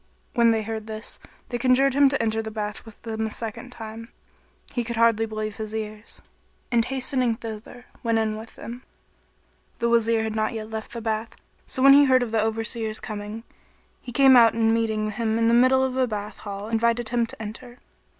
When they heard this, they conjured him to enter the bath with them a second time. He could hardly believe his ears and hastening thither, went in with them. The Wazir had not yet left the bath; so when he heard of the Overseer's coming, he came out and meeting him in the middle of the bath hall invited him to enter.